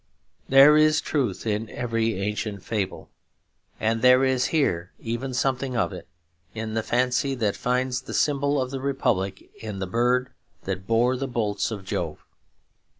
There is truth in every ancient fable, and there is here even something of it in the fancy that finds the symbol of the Republic in the bird that bore the bolts of Jove.